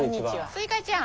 スイカちゃん。